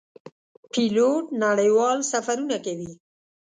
پیلوټ نړیوال سفرونه کوي.